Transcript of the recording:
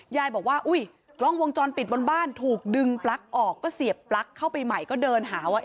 ยายบอกว่าอุ้ยกล้องวงจรปิดบนบ้านถูกดึงปลั๊กออกก็เสียบปลั๊กเข้าไปใหม่ก็เดินหาว่า